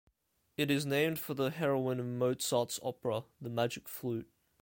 It is named for the heroine of Mozart's opera, "The Magic Flute".